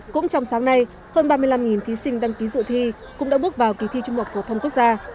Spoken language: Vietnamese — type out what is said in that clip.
cũng trong sáng nay hơn ba mươi năm thí sinh đăng ký dự thi cũng đã bước vào kỳ thi trung học phổ thông quốc gia